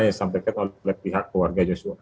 yang disampaikan oleh pihak keluarga joshua